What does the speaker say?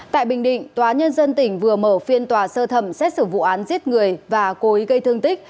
tại bình định tòa nhân dân tỉnh vừa mở phiên tòa sơ thẩm xét xử vụ án giết người và cố ý gây thương tích